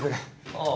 ああ。